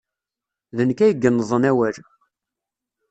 D nekk ay yennḍen awal.